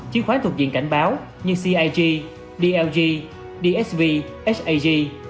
chiến khoán thuộc diện cảnh báo như cig dlg dsv sag